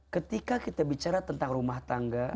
ketika kita bicara tentang rumah tangga